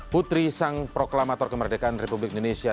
putri sang proklamator kemerdekaan republik indonesia